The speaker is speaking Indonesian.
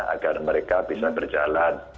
agar mereka bisa berjalan